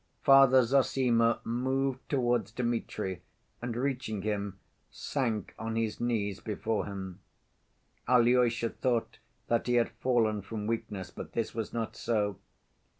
Father Zossima moved towards Dmitri and reaching him sank on his knees before him. Alyosha thought that he had fallen from weakness, but this was not so.